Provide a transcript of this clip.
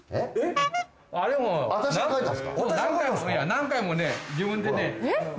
何回も自分でね。